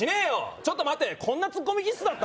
ちょっと待ってこんなツッコミ気質だった？